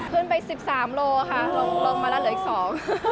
ขึ้นไป๑๓โลกรัมค่ะลงมาแล้วเหลืออีก๒